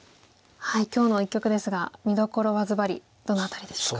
今日の一局ですが見どころはずばりどの辺りでしょうか？